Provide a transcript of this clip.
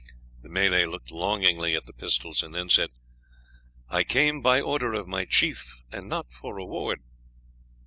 The Malay looked longingly at the pistols, and then said, "I came by order of my chief, and not for reward."